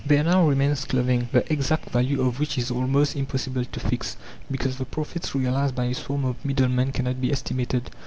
There now remains clothing, the exact value of which is almost impossible to fix, because the profits realized by a swarm of middlemen cannot be estimated.